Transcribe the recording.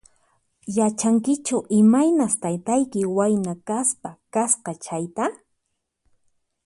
Yachankichu imaynas taytayki wayna kaspa kasqa chayta?